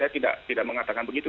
tidak tidak mengatakan begitu